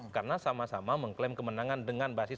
karena sama sama mengklaim kemenangan dengan banyak orang